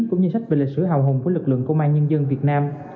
cũng như sách về lịch sử hào hùng của lực lượng công an nhân dân việt nam